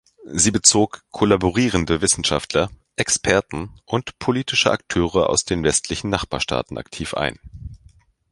Sie bezog kollaborierende Wissenschaftler, Experten und politische Akteure aus den westlichen Nachbarstaaten aktiv ein.